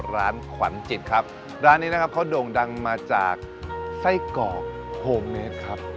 ร้านขวัญจิตครับร้านนี้นะครับเขาโด่งดังมาจากไส้กรอกโฮเมดครับ